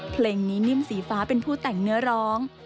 เพลงนี้นิ่มสีฟ้าเป็นผู้แต่งเนื้อร้อง